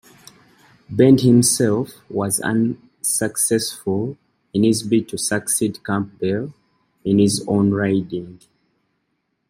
Bend himself was unsuccessful in his bid to succeed Campbell in his own riding.